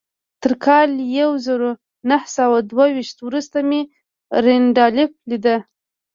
تر کال يو زر و نهه سوه دوه ويشت وروسته مې رينډالف ليده.